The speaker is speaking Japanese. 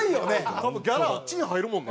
多分ギャラあっちに入るもんな。